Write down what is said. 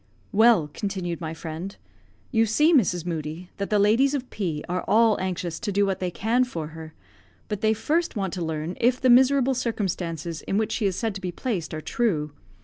"Well," continued my friend, "you see, Mrs. Moodie, that the ladies of P are all anxious to do what they can for her; but they first want to learn if the miserable circumstances in which she is said to be placed are true.